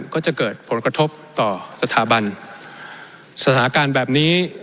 ก็จะเกิดผลกระทบต่อสถาบันสถานการณ์แบบนี้